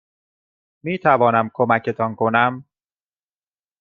میتوانم کمکتان کنم؟